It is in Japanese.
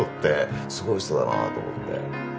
すごい人だなと思って。